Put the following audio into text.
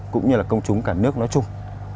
cũng như là công chúng cả nước nói chung